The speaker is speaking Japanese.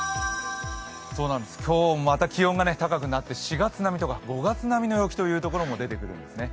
今日もまた気温が高くなって４月並みとか５月並みの陽気というところも出てきそうです。